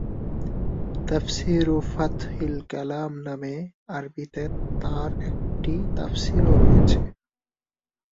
তাফসীরুফত্হিল-কালাম নামে আরবিতে তাঁর একটি তাফসিরও রয়েছে।